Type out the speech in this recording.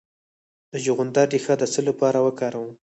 د چغندر ریښه د څه لپاره وکاروم؟